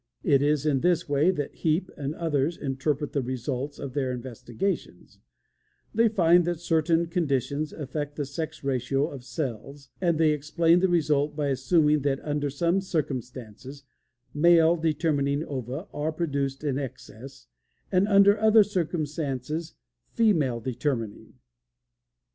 It is in this way that Heape and others interpret the results of their investigations; they find that certain conditions affect the sex ratio of cells, and they explain the result by assuming that UNDER SOME CIRCUMSTANCES MALE DETERMINING OVA ARE PRODUCED IN EXCESS, AND UNDER OTHER CIRCUMSTANCES, FEMALE DETERMINING."